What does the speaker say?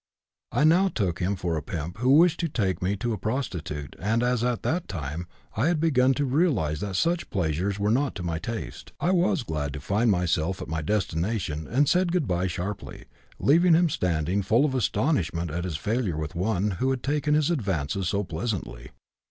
I now took him for a pimp who wished to take me to a prostitute, and as at that time I had begun to realize that such pleasures were not to my taste I was glad to find myself at my destination, and said good bye sharply, leaving him standing full of astonishment at his failure with one who had taken his advances so pleasantly.